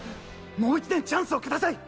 もう１年チャンスをください！